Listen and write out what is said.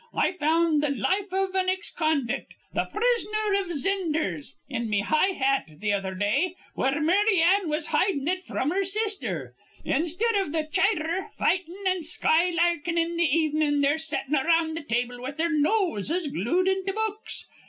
I found th' life iv an ex convict, the 'Prisoner iv Zinders,' in me high hat th' other day, where Mary Ann was hidin' it fr'm her sister. Instead iv th' chidher fightin' an' skylarkin' in th' evenin', they're settin' around th' table with their noses glued into books.